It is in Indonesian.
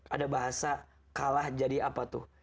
ada bahasa kalah jadi apa tuh